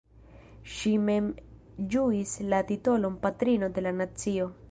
Ŝi mem ĝuis la titolon "Patrino de la Nacio".